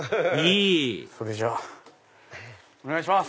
それじゃあお願いします！